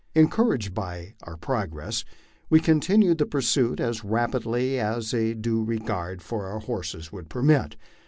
Encouraged by our progress, we continued the pursuit as rapidly as a due regard for our horses would permit.